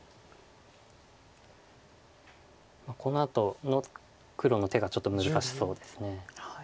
このあとの黒の手がちょっと難しそうです。